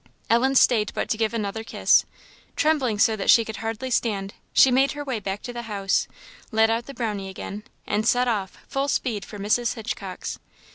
Ellen stayed but to give another kiss. Trembling so that she could hardly stand, she made her way back to the house, led out the Brownie again, and set off, full speed for Mrs. Hitchcock's.